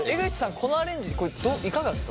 このアレンジいかがですか？